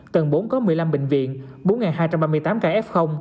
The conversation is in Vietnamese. tầng bốn có một mươi năm bệnh viện bốn hai trăm ba mươi tám ca f